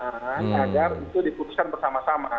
apalagi ada yang mengatakan bahwa itu diputuskan bersama sama